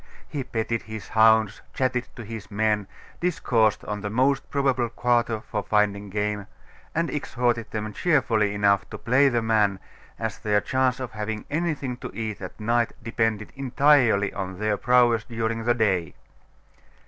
He petted his hounds, chatted to his men, discoursed on the most probable quarter for finding game, and exhorted them cheerfully enough to play the man, as their chance of having anything to eat at night depended entirely on their prowess during the day.